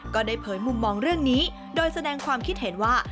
ก็ได้เผยมุมมองเรื่องนี้โดยแสดงความคิดเห็นว่า